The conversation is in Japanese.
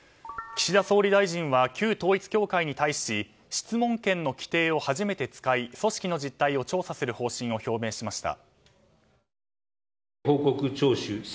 岸田総理大臣は旧統一教会に対し質問権の規定を初めて使い組織の実態を調査する方針を表明しました。